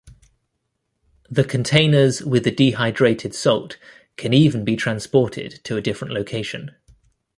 The containers with the dehydrated salt can even be transported to a different location.